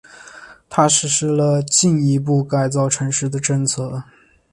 他实施了进一步改造城市的政策。